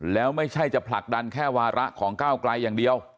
แล้วไม่ใช่จะผลักดันแค่วาระของก้าวไกลอย่างเดียว